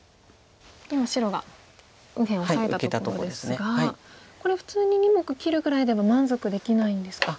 今白が右辺をオサえたところですがこれ普通に２目切るぐらいでは満足できないんですか。